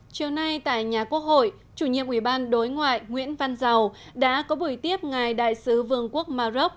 chiều nay tại nhà quốc hội chủ nhiệm ủy ban đối ngoại nguyễn văn giàu đã có buổi tiếp ngài đại sứ vương quốc maroc